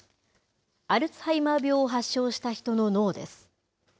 アルツハイマー病を発症した人の脳です。